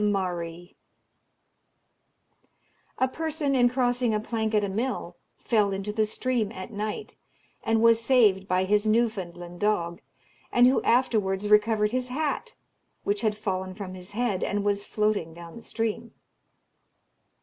A person, in crossing a plank at a mill, fell into the stream at night, and was saved by his Newfoundland dog, and who afterwards recovered his hat, which had fallen from his head, and was floating down the stream.